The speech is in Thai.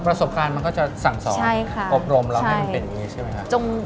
ประสบการณ์มันก็จะสั่งสอนอบรมแล้วให้มันเป็นอย่างนี้ใช่ไหมครับ